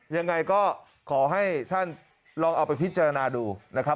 ยังไงก็ขอให้ท่านลองเอาไปพิจารณาดูนะครับ